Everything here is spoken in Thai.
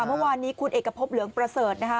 เมื่อวานนี้คุณเอกพบหลวงประเสิร์ฐ